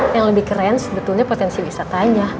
yang lebih keren sebetulnya potensi wisatanya